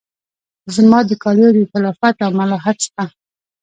زما د کالیو د لطافت او ملاحت څخه